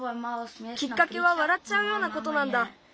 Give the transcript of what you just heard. きっかけはわらっちゃうようなことなんだ。